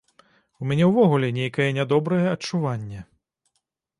У мяне ўвогуле нейкае нядобрае адчуванне.